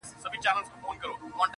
حکم د حدیث قرآن ګوره چي لا څه کیږي،،!